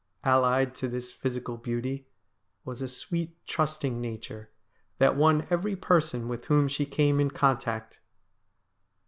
Allied to this physical beauty was a sweet, trusting nature that won every person with whom she came in contact.